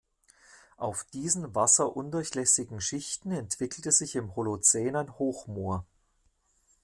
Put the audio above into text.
Auf diesen wasserundurchlässigen Schichten entwickelte sich im Holozän ein Hochmoor.